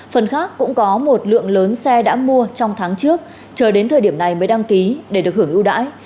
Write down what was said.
phần khác cũng có một lượng lớn xe đã mua trong tháng trước chờ đến thời điểm này mới đăng ký để được hưởng ưu đãi